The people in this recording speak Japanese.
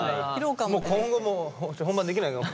今後もう本番できないかも。